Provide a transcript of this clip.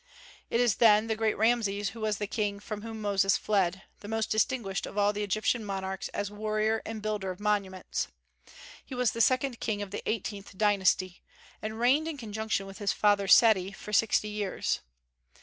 It is, then, the great Rameses, who was the king from whom Moses fled, the most distinguished of all the Egyptian monarchs as warrior and builder of monuments. He was the second king of the eighteenth dynasty, and reigned in conjunction with his father Seti for sixty years.